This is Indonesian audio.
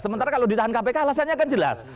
sementara kalau ditahan kpk alasannya kan jelas